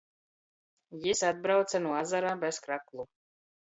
Jis atbrauce nu azara bez kraklu.